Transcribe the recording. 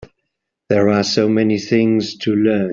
There are so many things to learn.